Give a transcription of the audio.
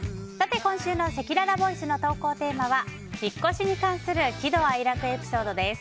今週のせきららボイスの投稿テーマは引っ越しに関する喜怒哀楽エピソードです。